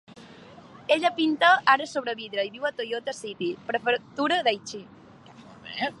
Ella pinta ara sobre vidre i viu a Toyota City, Prefectura d'Aichi.